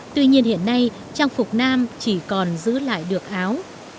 tuy nhiên hiện nay trang phục nam chỉ còn giữ lại được áo